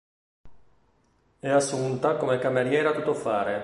È assunta come cameriera tuttofare.